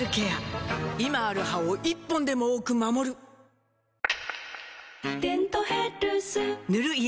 今ある歯を１本でも多く守る「デントヘルス」塗る医薬品も